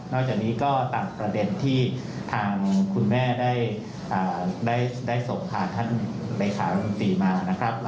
จากนี้ก็ตามประเด็นที่ทางคุณแม่ได้ส่งผ่านท่านเลขารัฐมนตรีมานะครับ